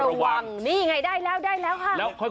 นี่ไงได้แล้วค่ะ